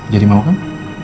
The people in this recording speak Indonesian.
jadi mau kan